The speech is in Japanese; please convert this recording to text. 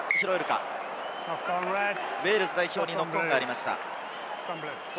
ウェールズ代表にノックオンがありました。